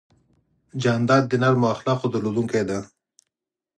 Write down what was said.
جانداد د نرمو اخلاقو درلودونکی دی.